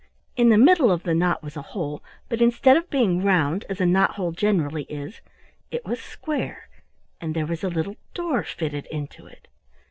In the middle of the knot was a hole, but instead of being round, as a knot hole generally is, it was square, and there was a little door fitted into it.